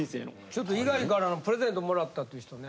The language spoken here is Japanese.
ちょっと猪狩からのプレゼントもらったっていう人ね